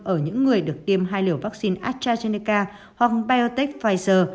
ở những người được tiêm hai liều vắc xin astrazeneca hoặc biontech pfizer